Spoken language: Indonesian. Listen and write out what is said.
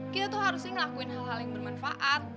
kita tuh harus sih ngelakuin hal hal yang bermanfaat